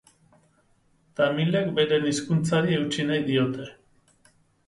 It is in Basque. Tamilek beren hizkuntzari eutsi nahi diote.